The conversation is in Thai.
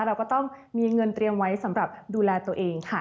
เราก็ต้องมีเงินเตรียมไว้สำหรับดูแลตัวเองค่ะ